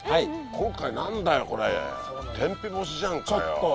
今回何だよこれ天日干しじゃんかよ。